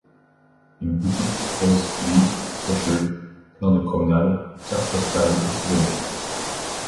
Une boutique propose livres, brochures, plans de promenade, cartes postales et souvenirs.